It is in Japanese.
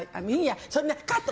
そんなカット！